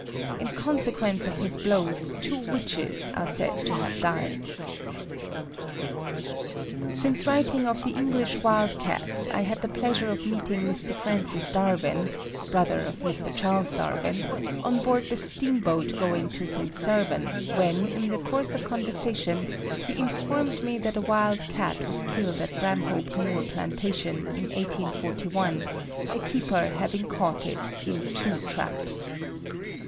In consequence of his blows two witches are said to have died. Since writing of the English wild Cat, I had the pleasure of meeting Mr. Francis Darwin (brother of Mr. Charles Darwin) on board the steamboat going to St. Servan, when, in the course of conversation, he informed me that a wild Cat was killed at Bramhope Moor Plantation, in 1841, a keeper having caught it in two traps.